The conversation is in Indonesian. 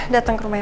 dateng ke rumahnya